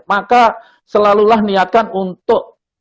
maka selalulah niatkan untuk